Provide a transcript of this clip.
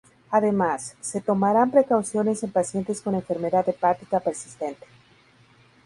Además, se tomarán precauciones en pacientes con enfermedad hepática persistente.